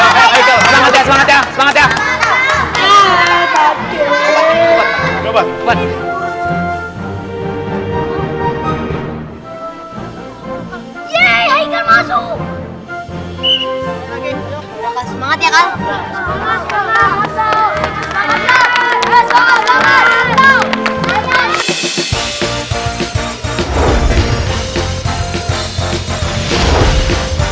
semangat ya semangat ya